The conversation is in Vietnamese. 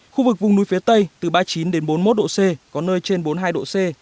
khu vực vùng núi phía tây từ ba mươi chín đến bốn mươi một độ c có nơi trên bốn mươi hai độ c